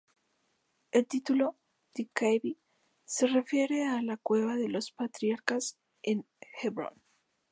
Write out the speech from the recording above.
El título "The Cave" se refiere a la cueva de los patriarcas en Hebrón.